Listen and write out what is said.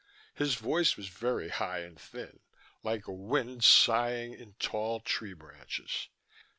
His voice was very high and thin, like a wind sighing in tall tree branches.